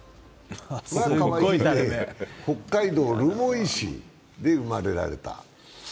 北海道留萌市で生まれられた。